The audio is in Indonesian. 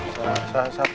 kenapa kalian kabur